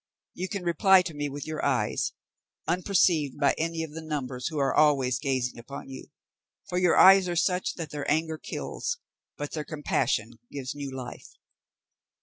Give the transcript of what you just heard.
You can reply to me with your eyes, unperceived by any of the numbers who are always gazing upon you; for your eyes are such that their anger kills, but their compassion gives new life."